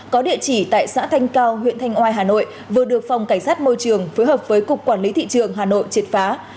có địa chỉ tại xã thanh cao huyện thanh oai hà nội vừa được phòng cảnh sát môi trường phối hợp với cục quản lý thị trường hà nội triệt phá